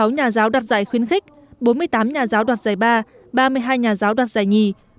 hai trăm năm mươi sáu nhà giáo đặt giải khuyến khích bốn mươi tám nhà giáo đặt giải ba ba mươi hai nhà giáo đặt giải nhì